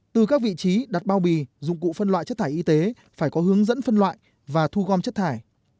từ các vị trí đặt bao bì dụng cụ phân loại chất thải y tế phải có hướng dẫn phân loại và thu gom chất thải